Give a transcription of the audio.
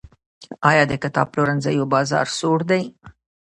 آیا د کتاب پلورنځیو بازار سوړ دی؟